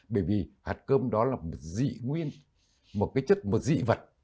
bởi vì hạt cơm đó là một dị nguyên một cái chất một dị vật